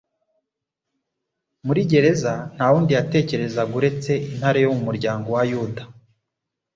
Muri Gereza nta wundi yatekerezaga uretse Intare yo mu muryango wa Yuda,